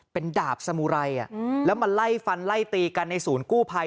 เป็นดาบสมุไรแล้วมาไล่ฟันไล่ตีกันในศูนย์กู้ภัย